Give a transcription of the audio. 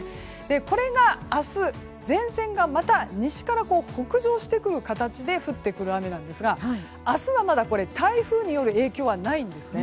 これが明日、前線がまた西から北上してくる形で降ってくる雨なんですが明日はまだ台風による影響はないんですね。